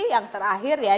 yang terakhir ya